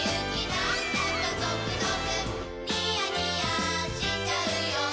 なんだかゾクゾクニヤニヤしちゃうよ